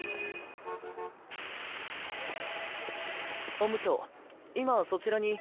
本部長今そちらに。